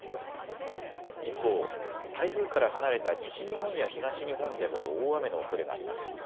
一方、台風から離れた西日本や東日本でも大雨のおそれがあります。